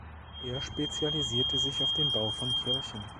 Er spezialisierte sich auf den Bau von Kirchen.